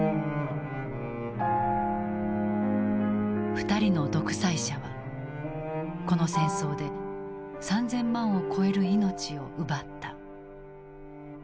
２人の独裁者はこの戦争で３０００万を超える命を奪った。